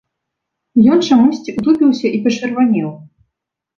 Ён чамусьці ўтупіўся і пачырванеў.